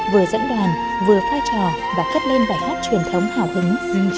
vừa dẫn đoàn vừa phai trò và cất lên bài hát truyền thống hào hứng